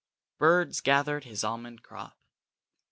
BIRDS GATHERED HIS ALMOND CROP.